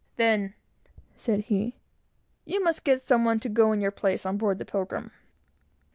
"Then," said he, "you must get some one to go in your place on board the Pilgrim."